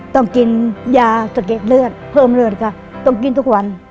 ต้องกินยาสะเก็ดเลือดเพิ่มเลือดค่ะต้องกินทุกวัน